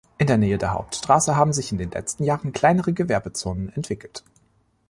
In der Nähe der Hauptstraße haben sich in den letzten Jahren kleinere Gewerbezonen entwickelt.